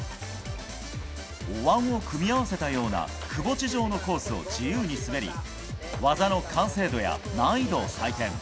お椀を組み合わせたようなくぼ地状のコースを自由に滑り、技の完成度や難易度を採点。